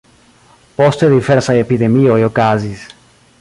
Poste diversaj epidemioj okazis.